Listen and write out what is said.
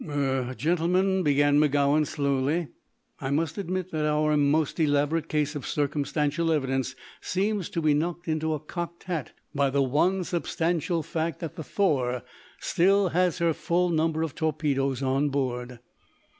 "Er gentlemen " began Magowan, slowly, "I must admit that our most elaborate case of circumstantial evidence seems to be knocked into a cocked hat by the one substantial fact that the 'Thor' still has her full number of torpedoes on board."